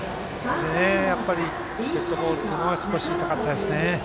やっぱりデッドボールというのは少し痛かったですね。